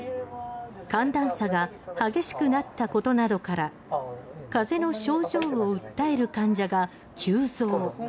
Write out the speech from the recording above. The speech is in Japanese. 寒暖差が激しくなったことなどから風邪の症状を訴える患者が急増。